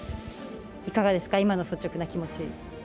いかがですか、今の率直な気持ち。